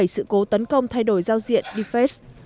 ba sáu trăm linh bảy sự cố tấn công thay đổi giao diện defense